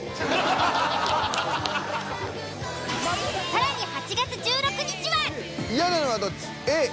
更に８月１６日は。